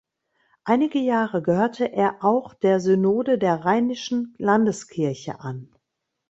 Einige Jahre gehörte er auch der Synode der rheinischen Landeskirche an.